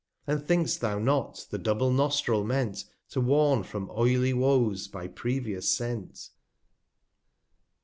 And think'st thou not the double Nostril meant, To warn from oily Woes by previous Scent?